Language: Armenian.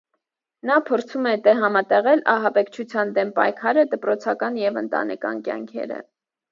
Նա փորձում է համատեղել ահաբեկչության դեմ պայքարը, դպրոցական և ընտանեկան կյանքերը։